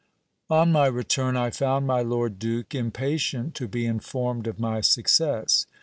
On my return, I found my lord duke impatient to be informed of my success.